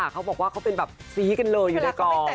เขาบอกว่าเขาเป็นแบบซี้กันเลยอยู่ในกอง